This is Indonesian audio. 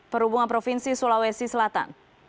perhubungan provinsi sulawesi selatan